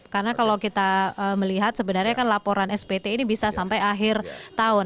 karena kalau kita melihat sebenarnya kan laporan spt ini bisa sampai akhir tahun